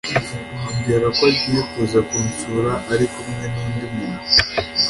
ambwira ko agiye kuza kunsura ari kumwe nundi muntu